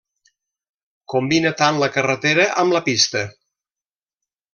Combina tant la carretera amb la pista.